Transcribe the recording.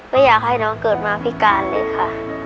ไม่อยากให้น้องเกิดมาพิการเลยค่ะ